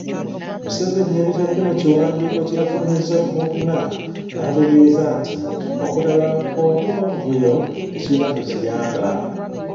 Museveni yabitadde mukiwandiiko kye yafulumizza ku Lwokuna n'ategeeza nti obutabanguko wamu n'obuvuyo tekirina gwe kiyamba.